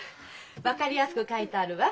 分かりやすく書いてあるわ。